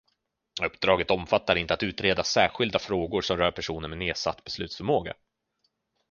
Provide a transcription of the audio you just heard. Uppdraget omfattar inte att utreda särskilda frågor som rör personer med nedsatt beslutsförmåga.